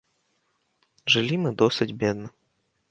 Жылі мы досыць бедна.